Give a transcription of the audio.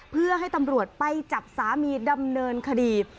เพื่อให้ตำรวจไปจับสามีดำเนินคดี